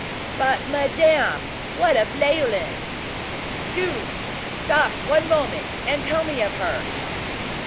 "But, madame, what of Leoline? Do stop one moment and tell me of her."